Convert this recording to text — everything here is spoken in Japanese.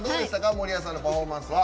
守屋さんのパフォーマンスは。